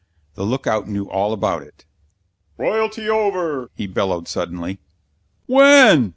The look out knew all about it. "Royalty over," he bellowed suddenly. "When!"